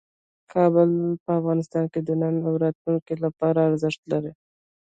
کابل په افغانستان کې د نن او راتلونکي لپاره ارزښت لري.